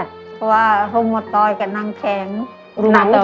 เพราะว่าลูโมตอยกับหนังแข็ง